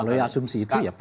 kalau ya asumsi itu ya pak